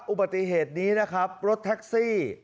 อุบัติเหตุนี้นะครับรถแท็กซี่